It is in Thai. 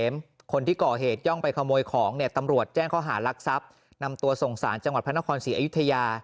ไม่ได้ตั้งใจทำให้เขาเสียชีวิต